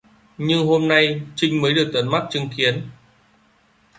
Nhưng hôm nay Trinh mới được tận mắt chứng kiến